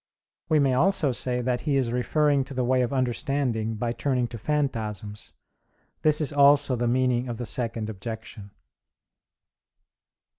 We may also say that he is referring to the way of understanding by turning to phantasms. This is also the meaning of the second objection.